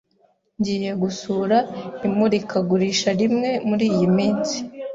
Ngiye gusura imurikagurisha rimwe muriyi minsi.